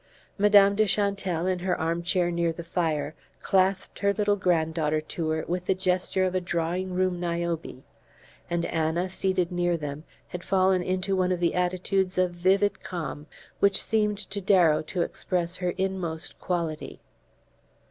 Madame de Chantelle, in her armchair near the fire, clasped her little granddaughter to her with the gesture of a drawing room Niobe, and Anna, seated near them, had fallen into one of the attitudes of vivid calm which seemed to Darrow to express her inmost quality.